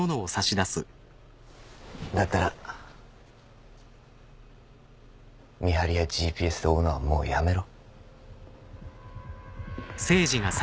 だったら見張りやＧＰＳで追うのはもうやめろ。